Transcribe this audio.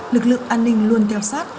lực lượng an ninh luôn theo sát